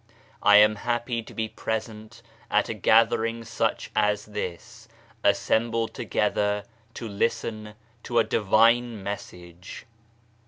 I am happy to be present at a gathering such as this, assembled together to listen to a Divine Message.